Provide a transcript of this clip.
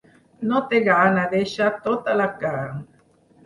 No té gana: ha deixat tota la carn.